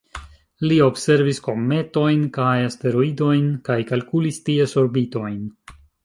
Li observis kometojn kaj asteroidojn kaj kalkulis ties orbitojn.